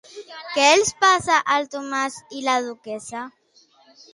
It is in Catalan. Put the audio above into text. Què els passa al Thomas i la Duquessa?